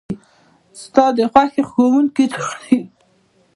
ستا د خوښې ښوونکي څوک دی؟